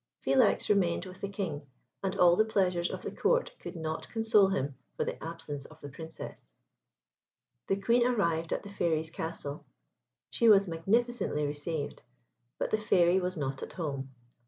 Philax remained with the King, and all the pleasures of the Court could not console him for the absence of the Princess. The Queen arrived at the Fairy's castle. She was magnificently received; but the Fairy was not at home.